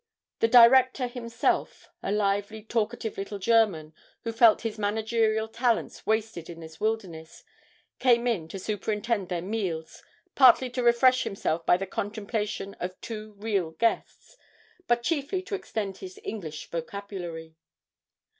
The 'Director' himself a lively, talkative little German, who felt his managerial talents wasted in this wilderness came in to superintend their meals, partly to refresh himself by the contemplation of two real guests, but chiefly to extend his English vocabulary.